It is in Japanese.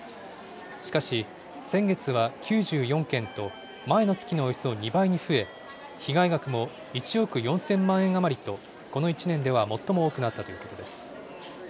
しかし、先月は９４件と、前の月のおよそ２倍に増え、被害額も１億４０００万円余りと、この１年では最も多くなったということです。